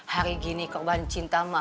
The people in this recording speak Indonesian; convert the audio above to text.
hari gini korban cinta ma